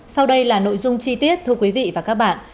sau đây là nội dung chi tiết thưa quý vị và các bạn